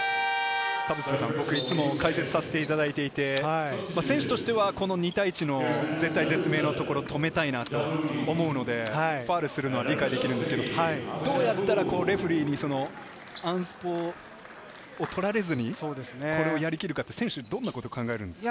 僕、いつも解説していて、選手としては２対１の絶体絶命のところを止めたいなと思うのでファウルするのは理解できるんですが、どうやったらレフェリーにアンスポを取られずにやりきるかって、選手はどんなことを考えるんですか？